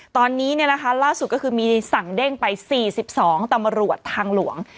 ตอนนี้ล่าสุดก็คือมีสั่งเด้งไป๔๒ตำรวจทางหลวง